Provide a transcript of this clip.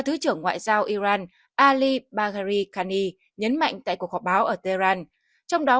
thứ trưởng ngoại giao iran ali bagheri kani nhấn mạnh tại cuộc họp báo ở tehran trong đó